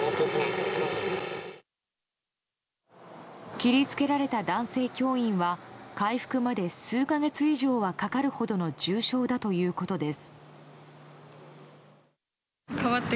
切り付けられた男性教員は回復まで数か月以上はかかるほどの重傷だということです。